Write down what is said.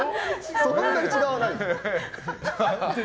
そんなに違わないです。